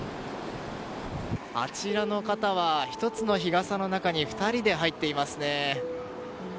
あちらの方は１つの日傘の中に２人で入っていますね。